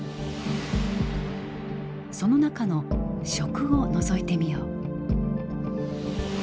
その中の「食」をのぞいてみよう。